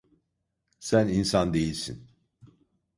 Sen insan değilsin.